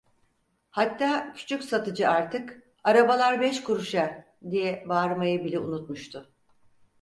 Hatta küçük satıcı artık "arabalar beş kuruşa" diye bağırmayı bile unutmuştu.